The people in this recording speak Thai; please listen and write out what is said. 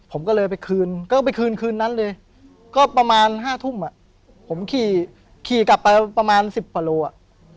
ผมก็เลยไปคืนก็ไปคืนคืนนั้นเลยก็ประมาณ๕ทุ่มอ่ะผมขี่กลับไปประมาณ๑๐กว่าโลอ่ะ